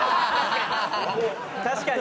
確かに。